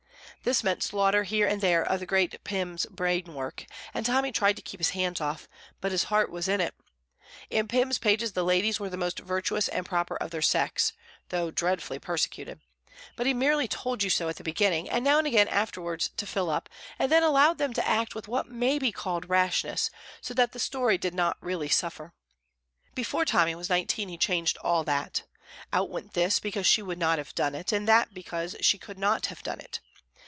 This meant slaughter here and there of the great Pym's brain work, and Tommy tried to keep his hands off; but his heart was in it. In Pym's pages the ladies were the most virtuous and proper of their sex (though dreadfully persecuted), but he merely told you so at the beginning, and now and again afterwards to fill up, and then allowed them to act with what may be called rashness, so that the story did not really suffer. Before Tommy was nineteen he changed all that. Out went this because she would not have done it, and that because she could not have done it.